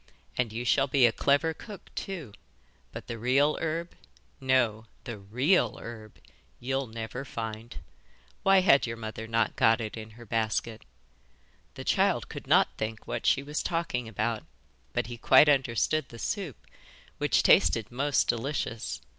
And you shall be a clever cook too, but the real herb no, the REAL herb you'll never find. Why had your mother not got it in her basket?' The child could not think what she was talking about, but he quite understood the soup, which tasted most delicious.